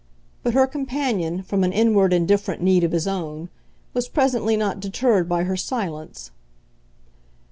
But her companion, from an inward and different need of his own, was presently not deterred by her silence.